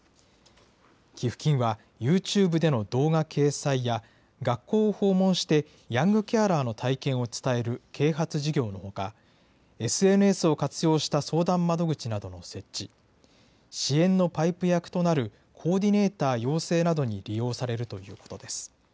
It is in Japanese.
寄付金は、ユーチューブでの動画掲載や、学校を訪問してヤングケアラーの体験を伝える啓発事業のほか、ＳＮＳを活用した相談窓口などの設置、支援のパイプ役となるコーディネーター養成などに利用されるということです。